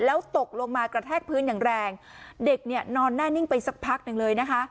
แล้วตกลงมากระแทกพื้นอย่างแรงเด็กเนี่ยนอนแน่นิ่งไปสักพักหนึ่งเลยนะคะ